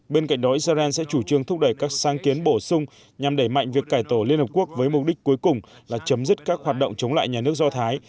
bên cạnh đó israel sẽ chủ trương thúc đẩy các sáng kiến bổ sung nhằm đẩy mạnh việc cải tổ liên hợp quốc với mục đích cuối cùng là chấm dứt các hoạt động chống lại nhà nước do thái